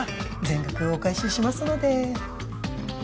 「全額お返ししますので」